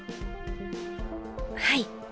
はい。